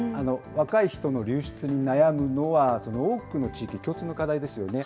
若い人の流出に悩むのは、多くの地域で共通の課題ですよね。